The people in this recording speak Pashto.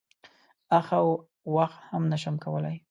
اخ او واخ هم نه شم کولای.